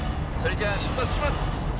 それじゃあ出発します。